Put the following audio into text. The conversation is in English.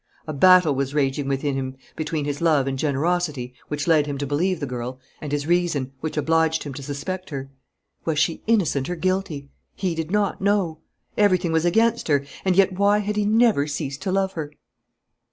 A battle was raging within him between his love and generosity, which led him to believe the girl, and his reason, which obliged him to suspect her. Was she innocent or guilty? He did not know. Everything was against her. And yet why had he never ceased to love her?